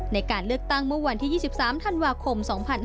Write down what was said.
ในการเลือกตั้งเมื่อวันที่๒๓ธันวาคม๒๕๕๙